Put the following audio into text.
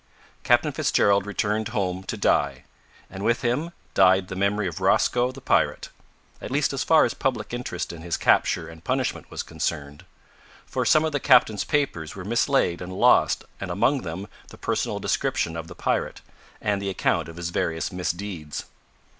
Captain Fitzgerald returned home to die, and with him died the memory of Rosco the pirate at least as far as public interest in his capture and punishment was concerned for some of the captain's papers were mislaid and lost and among them the personal description of the pirate, and the account of his various misdeeds.